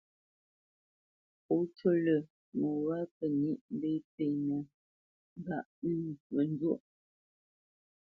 Pó cú lə́ ŋo wá kə níʼ mbépénə̄ ngâʼ ə̂ŋ mə njwôʼ.